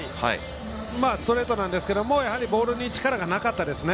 ストレートなんですけれどボールに力がなかったですね。